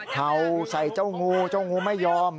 เห่าใส่เจ้างูเจ้างูไม่ยอม